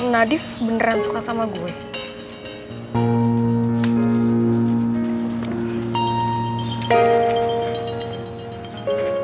nadif beneran suka sama gue